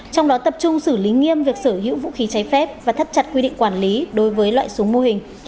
trong đó tập trung xử lý nghiêm việc sở hữu vũ khí cháy phép và thắt chặt quy định quản lý đối với loại súng mô hình